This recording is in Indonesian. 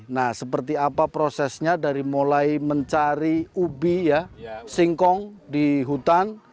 nah seperti apa prosesnya dari mulai mencari ubi ya singkong di hutan